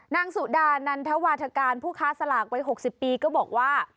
นางสุดานันทวาธการผู้ค้าสลากวัย๖๐ปีก็บอกว่า